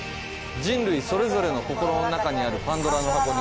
人類それぞれの心の中にあるパンドラの箱に。